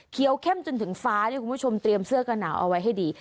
เข้มจนถึงฟ้าเนี่ยคุณผู้ชมเตรียมเสื้อกระหนาวเอาไว้ให้ดี